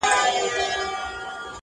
لکه د ښایستو رنګونو په ترکیب کي-